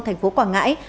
tp quảng ngãi